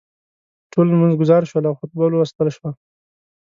ټول لمونځ ګزار شول او خطبه ولوستل شوه.